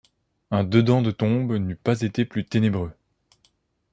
Un dedans de tombe n’eût pas été plus ténébreux.